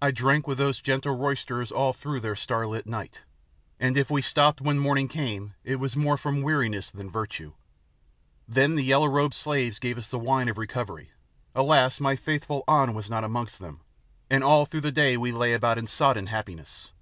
I drank with those gentle roisterers all through their starlit night, and if we stopped when morning came it was more from weariness than virtue. Then the yellow robed slaves gave us the wine of recovery alas! my faithful An was not amongst them and all through the day we lay about in sodden happiness.